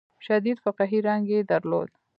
شدید فقهي رنګ یې درلود.